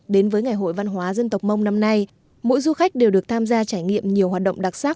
đến với ngày hội văn hóa dân tộc mông năm nay mỗi du khách đều được tham gia trải nghiệm nhiều hoạt động đặc sắc